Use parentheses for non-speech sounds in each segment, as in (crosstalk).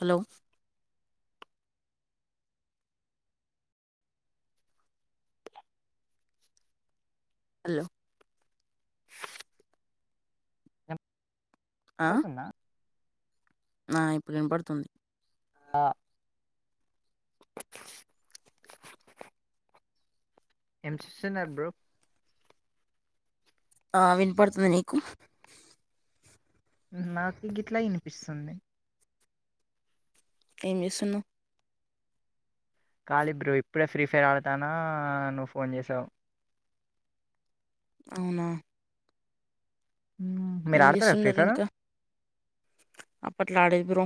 Hello hello ఆ వినపడుతుందా ఆ ఇప్పుడు వినపడుతుంది. ఆ ఏం చేస్తున్నారు బ్రో ఆ వినపడుతుంది. నీకు నాకు గీట్లా వినిపిస్తుంది. ఏం జేస్తున్నావ్ ఖాళీ బ్రో ఇప్పుడే ఫ్రీ ఫైర్ ఆడతాన్న నువ్వు ఫోన్ చేసావు. అవునా మ్మ్. మీరు ఏం ఆడతారా ఫ్రీ చేస్తున్నారు ఫైర్ ఇంకా అప్పట్లా ఆడేది. మీరో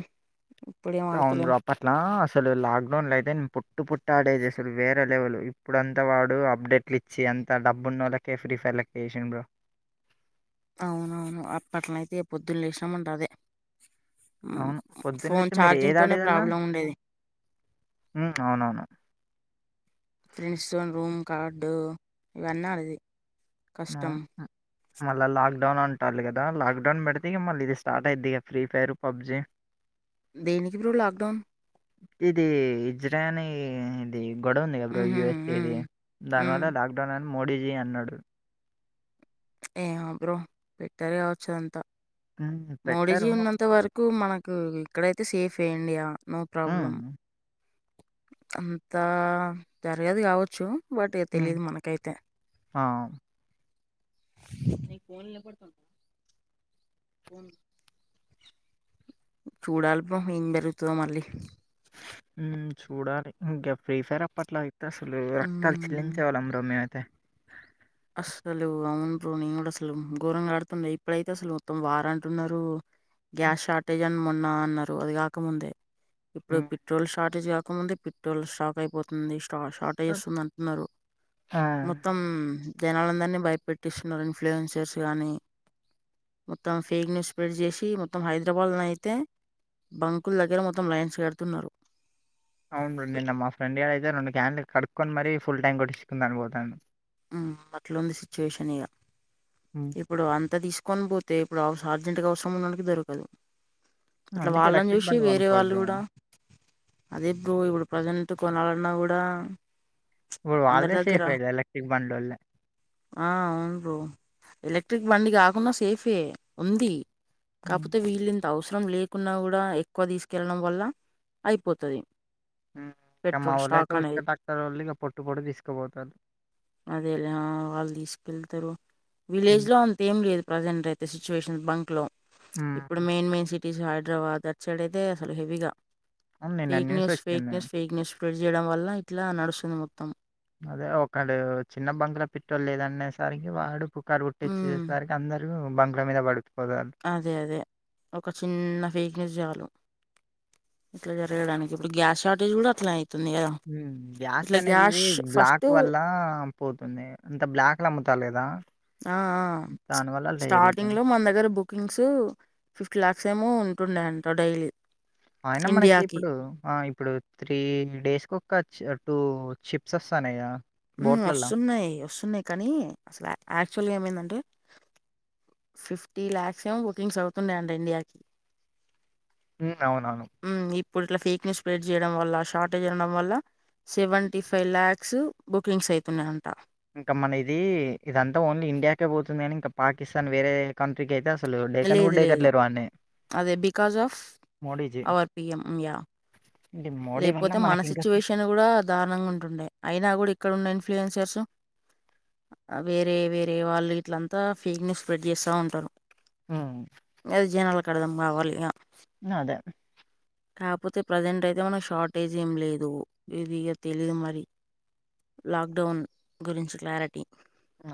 అవును బ్రో అప్పట్లా అసలు లాక్ డౌన్ లో అయితే నేను పోట్టు పొట్టు ఆడేది. అసలు వేరే లెవల్ ఇప్పుడు అంత వాడు అప్డేట్లు ఇచ్చి ఎంత డబ్బు ఉన్నోళ్ళకే ఫ్రీ ఫైర్ లెక్క చేసిండు. బ్రో అవునవును. అప్పట్లో అయితే పొద్దున్న లేసినాం అంటే అదే అవును ఫోన్ పొద్దున్నలైతే మీరు చార్జింగ్ ఏది తోనే ఆడేదల్లా ప్రాబ్లం ఉండేది ఉమ్ అవునవును ఫ్రెండ్స్ తో రూమ్ కార్డు ఇవన్నా ఇది మ లాక్డౌన్ అంటారుి కదా లాక్ డౌన్ పెడితే మళ్ళీ ఇది స్టార్ట్ అయిద్ది కదా ఫ్రీ ఫైర్ పబ్జి ద నకు ప్ర లక్డౌన్ ఇది ఇజ్రాయనీ ఇది గొడ ఉంది బ్రో ఉహు యుఎస్ఏది ఉమ్ ఉమ్ దానివల్ల లాక్డౌన్ మోడీజీ అన్నాడు ఏ బ్రో పెట్టర్ కావచ్చుదంతా హ్మ్. మోడీజీ పెట్టరు. ఉన్నంత వరకు మనకు ఇక్కడైతే సేఫ్డి ఇండియా నో ప్రాబ్లమ్ హ్మ్. అంతా జరగది కావచ్చు వాటి హ్మ్. తెలీదు మనకైతే ఆ! ఫన్ లో పడుతు ఫ చూడాలి బ ఏం పెరుగుతుందో మళ్ళీ చూడాలి ఇంకా ఫ్రీ ఫైర్ అప్పట్లా అయి అసలు రక్తాలు మ్మ్ చెల్లించేవాళ్ళ అం్రమే త అస్సలు అవును బ్రో నేను కూడా అసలు ఘోరంగా ఆడుతుండ ఇప్పుడైతే అసలు మొత్తం వార అంటున్నారు గ్యాస్ అటే జ మొన్న అన్నారు అది కాకముందే ఇప్పుడు హ్మ్. పెట్రోల్ షార్ట్ కాకముందే పెట్రోల్ స్టాక్ అయిపోతుంది షార్ట్జస్తుంది అంటున్నారు ఆ! మొత్తం జనాలందరినీ భయపెట్టిస్తున్నారు ఇన్ఫ్లుయెన్సర్స్ కానీ మొత్తం ఫేక్ న్యూస్ స్ప్రెడ్ చేసి మొత్తం హైదరాబాద్ అయితే బంకుల దగ్గర మొత్తం లైన్స్ కడుతున్నారు అవును రండి నిన్న మా ఫ్రెండ్ ఏడ అయితే రెండు క్యాండ్లు కడుక్కొని మరీ ఫుల్ టైం కొట్టిుకుంద అపోతాను మట్లొంద సిచువేషన్ ఇగ హ్మ్. ఇప్పుడు అంత తీస్ కొన పోతే ఇప్పుడు అవసం అర్జెంట్గా అవసరం ఉండడానికి దొరకదు అట్లా అందుకే వాళ్ళని ఎలక్ట్రిక్ చూసి బండ్లు వేరే కొనుక్కోవాలి వాళ్ళు బ్రో. కూడ అదే ఇప్పుడు ఇప్పుడు ప్రజెంట్ కొనడినా కూడా ఇ ఊడు అందరి వాళ్ళదే దగ్గర సేఫ్ అయి ఎలా ఆ అవును బ్రో ఎలక్ట్రిక్ బండి కాకుండా సేఫే ఉంది హ్మ్. కాకపోతే వీగిలింది అవసరం లేకున్నా కూడా, ఎక్కువ తీసుకెళ్లడం వల్ల అయిపోతది. ఉమ్ ఇంక మా పెట్రోల్ స్టాక్ ఓళ్ళయితే అనేది (unintelligible) ఇక పొట్టు పొట్టు తీసుకపోతరు. అదేలా వాళ్ తీసుకెళ్తరు? హ్మ్. విలేజ్ లో అంతేం లేదు, ప్రజెంట్ అయిత్ సిచ్చుయేషన్ బంక్ లో ఇప్పుడు హ్మ్. Main main cities Hyderabad, outside ఐతే అసలు హెవీగా అవును. నిన్న ఫేక్ న్యూస్, ఫేక్ ఒచ్చింది. News, fake news. స్ప్రెడ్ చేయడం వల్ల, ఇట్లా నడుస్తుంది మొత్తం. అదే ఒకడు చిన్న బంక్ ల పెట్రోల్ లేదనేసరికి వాడు. పుకారు హ్మ్. పుట్టిచ్చేసరికి అందర్ గా బంక్ ల మీద పడుతుం అదే అదే, ఒక చిన్న ఫేక్ న్యూస్ చాలు. ఇట్ల జరగడానికి, ఇప్పుడు గ్యాస్ షార్టేజ్ కూడా అట్లాయి ఉమ్, గ్యాస్ట్ అనేదిఇది బ్లాక్ ఫస్టు వల్ల పోతుంది, అంత బ్లాక్ల అమ్ముతాళ్ళు గదా ఆ ఆ, దానివల్ల అట్లా స్టార్టింగ్ జరుగుతుంది. లో మన దగ్గర బుకింగ్స్ ఫిఫ్టీ ల్యాక్స్ ఏమో ఉన్ టున్నాయంట డైలీ. అయినా మనకి ఇండియాకి. ఇప్పుడు, ఆ ఇప్పుడు త్రీ డేస్ కొ క చ్ టూ చిప్స్ అస్తానయ్ గద. ఉమ్ వస్తున్నయి, వస్తున్నయి కానీ అసల ఆ యాక్చువల్గా ఏమైందంటే? ఫిఫ్టీ ల్యాక్స్ ఏమో బుకింగ్స్ అవుతున్నాయంట ఇండియాకి. అవునఅవును. హ్మ్. ఇప్పుడు ఇట్లా ఫేక్ న్యూస్ స్ప్రెడ్ చేయడం వల్ల, షార్టేజ్ ఉండడం వల్ల సెవెంటీ ఫైవ్ ల్యాక్స్ బుకింగ్స్ అయితున్నయంట. ఇంకా మన ఇది, ఇదంతా ఓన్లీ ఇండియాకే పోతుంది కని ఇంకా పాకిస్తాన్ వేరే కంట్రీకి అయితే అసల్ లేదు లేదు, అదే because of Modiji. Our P M yeah. అంటే మోడీ వల్ల లేక్పోతే మన మనకి ఇంకా సిచ్యువేషన్ కూడా దారుణంగా ఉంటుండే, అయినా కూడా ఇక్కడ ఉండ్ ఫ్లూయెన్సర్స్ వేరే వేరే వాళ్ళు గిట్లంతా ఫేక్ న్యూస్ స్ప్రెడ్ చేస్తా ఉంటరు. హ్మ్. అది జనాలక్ అర్థం కావాలిగ అదే కాపోతే ప్రజెంట్ అయితే మనక్ షార్టేజ్ ఏం లేదు. ఇది ఇగా తెలీదు మరి, లాక్డౌన్ గురించి క్లారిటీ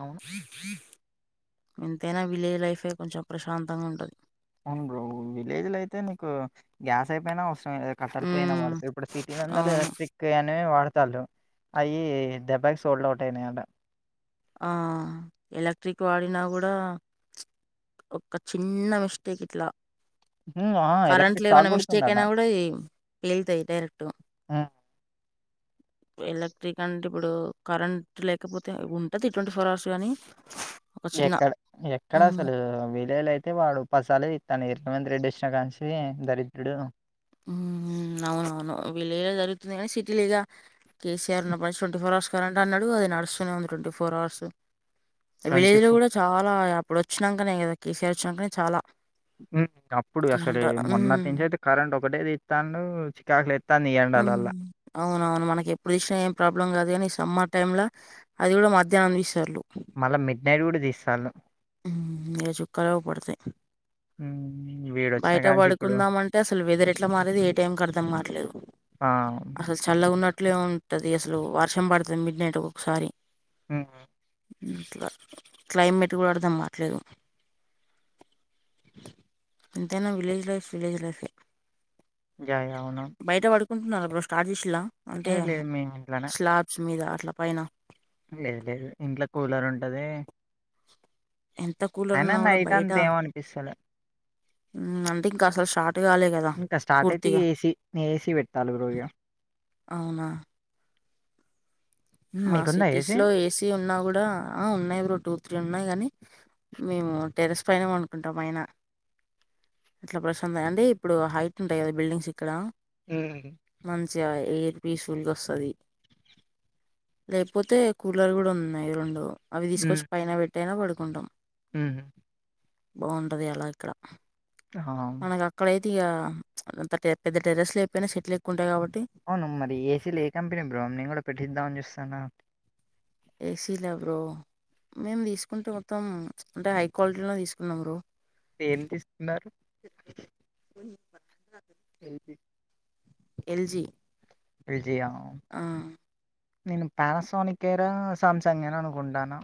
అవును. దమ్ ధమ్ ఎంతైనా విలేజ్ లైఫే కొంచెం ప్రశాంతంగా ఉంటది. అవును బ్రో, విలేజ్ ల అయితే నీకు గ్యాస్ అయిపోయినా అవస్ కట్టెలు పొయ్యిని హ్మ్. వాడితే ఇప్పుడు సిటీల అందరూ అవును. ఎలక్ట్రిక్ అనే వాడుత అద్దాలు అయ్యి దెబ్బాకి సోల్డ్ అవుట్ ఆయ్యాయీ అంట ఆ ఎలక్ట్రిక్ వాడినా కూడాచిక్ ఒక చిన్న మిస్టేక్ ఇట్లా హ్మ్. ఆ! కరెంట్లు ఎలక్ట్రిక్ షాక్ ఏమైనా మిస్టేక్ కొడుతుందట. అయినా కూడా పేలుతాయి డైరెక్ట్గా హ్మ్. ఎలక్ట్రిక్ అంటే ఇప్పుడు కరెంట్ లేకపోతే ఉం టది ట్వంటీ ఫోర్ అవర్స్ గానీ చిన్న ఎక్కడ ఎక్కడ హ్మ్. అసలు విలేజిలో అయితే వాడు పది సార్లు పిలతాడ్ రేవంత్ రెడ్డి వచ్చిన కాన్నించి దరిద్రుడు ఉ ఉ అవునవును విలెజిలో జరుగుతుంది కానీ సిటీ లేగా కేసీఆర్ బాసువంట్ ఫోరస్ కరెంట్ అన్నాడు అది నడుస్తునే ఉంది. ట్వంటీ ఫోర్ అవర్స్ విలేజ్ లో కూడా చాలా వచ్చినంకనే కదా కేసిఆర్ వచ్చినం చాలా ఉమ్ అప్పుడు అసలు కరెంట్ మొన్నటి హ్మ్. నుంచి అయితే కరెంట్ ఒకటే తీత్తండు చికాకులె హుమ్మ్ అవునవును మనకి ఎప్పుడు చూసినా ఏం ప్రాబ్లం కాదు గాని సమ్మర్ టైంలో అది కూడా మధ్యాహ్నం ఇత్తంరు మన మె నేను కూడ తీస్తున్న హు ఇక చుక్కలు అవు పడతాయి హు బయట పడుకుందాం అంటే, అసలు వేదరెట్లా మారేది ఏ టైంకి అర్థం కాట్లేదు. ఆ! అసలు చల్లగ ఉన్నట్టు. అట్లే ఉంటది. అసలు వర్షం పడుతుంది. మిడ్ నైట్ ఒకొక్కసారి ఉహు ఇట్లా క్లైమేట్ కూడా అర్థం కాట్లేదు ఎంతైనా విలేజ్ లైఫ్ విలేజ్ లైఫే ఐ అవును కుంటున్నారా బ్రో స్టార్ట్ చిల్లా అంటే ఏ లేదు మేము ఇంట్లోనే. స్లాబ్స్ మీద అట్ల అట్ల పైన లేదు లేదు ఇంట్ల కూలర్ ఉంటది ఎంత అయిన కూలరున్నా నైట్ అంత ఏం అనిపిస్తలే ఊమ్ అంటే ఇంకా అస షార్ట్ ఇంకా స్టార్ట్ అయితే ఏసీ ఏసీ పెట్టాలె రోజు ఇగ అవునా హ్మ్. మా మీకుందా సిటీస్ లో ఏసీ ఉన్నా కూడా, ఆ ఉన్నాయి. బ్రో టూ, త్రీ ఉన్నాయి కానీ మేము టెర్రస్ పైనే పనుకుంటాం అయిన అట్ల ప్రశాంతంగా అంటె ఇప్పుడు హైట్ ఉంటాయి కదా బిల్డింగ్స్ ఇక్కడ హ్మ్ మంచిగ ఎయిర్ పీస్ఫుల్ గొస్తది లేకపోతే కూలర్ కూడా ఉన్నాయి రొండు అవి తీసుకొచ్చి పైన పెట్ టయినా పడుకుంటాం ఊ హ్మ్ బాగుంటది అలా ఇక్కడ హా తిగా పెద్ద టెర్రస్ లేకయిపోయినా చెట్లు ఎక్కువుంటయి కాబట్టి అవును మరి ఏసీలు ఏ కంపెనీ బ్రో నేను కూడా పెట్టిద్దామని చూస్తానా ఏసీలా బ్రో మేము తీసుకుంటే మొత్తం అంటే హై క్వాలిటీలో తీసుకున్నాం బ్రో ఏం తీసుకున్నారు ఏపీ ఎల్జీ ఎల్జీ ఆ ఆ నేను పానాసోనిక్ అయినా సామ్సంగ్ అయినా అనుకుంటానా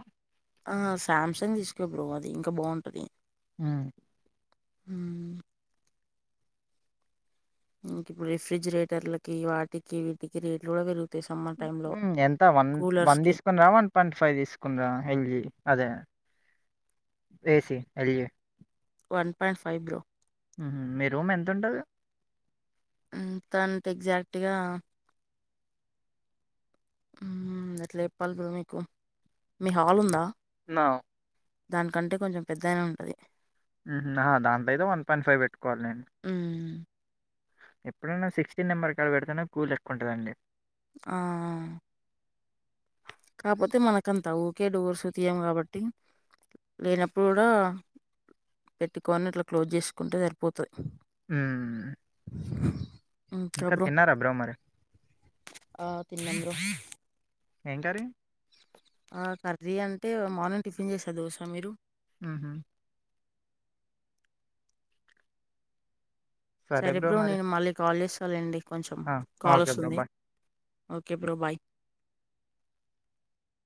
ఆ సామ్సంగ్ తీసుకో బ్రో అది ఇంకా బాగుంటది మ్మ్ హ్మ్ ఇంక ఇప్పుడు రిఫ్రిజిరేటర్లకి వాటికి వీటికి రేట్లు కూడా పెరుగు మ్మ్ ఎంత వన్ వన్ తీసుకున్నరా వన్ పాయింట్ ఫైవ్ తీసుకున్నరా ఎల్జి అదే వేసి L G one point five bro ఊ హ్మ్ మీ రూమ్ ఎంతుంటది ఎంతంటే ఎగ్జాక్ట్గా మ్మ్ ఎట్ల చెప్పాలి బ్రో మీకు మీ హాల్ ఉందా నో దానికంటే కొంచెం పెద్దగనే ఉంటది మ్మ్ ఆ దాంతయితే వన్ పాయింట్ ఫైవ్ పెట్టుకోవాలి నేను ఎప్పుడైనా సిక్స్టీన్ నెంబర్ కాడ పెడుతునే కూల్ ఎక్కువ ఉంటదండి ఆ కాకపోతే మనకంతా ఊరికే డోర్స్ తీయం కాబట్టి లేనప్పుడు కూడా పెట్టుకోని ఇట్లా క్లోజ్ చేసుకుంటే సరిపోతుది మ్మ్ ఇంకా తిన్నారా బ్రో మరి తిన్నం బ్రో ఏం కర్రీ ఆ కర్రీ అంటే మార్నింగ్ టిఫిన్ చేసా దోస మీరు మ్మ్ హ్మ్ సరే బ్రో నేను మళ్ళీ కాల్ చేస్ అదండి కొంచెం ఆ! Okay bro. బాయ్. కాలొస్తుంది ఓకే బ్రో బాయ్